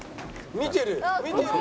見てる！